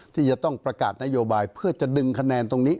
ที่จะต้องประกาศนโยบายเพื่อจะดึงคะแนนตรงนี้